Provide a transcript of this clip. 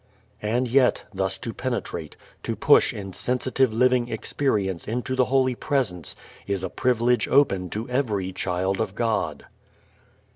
And yet, thus to penetrate, to push in sensitive living experience into the holy Presence, is a privilege open to every child of God.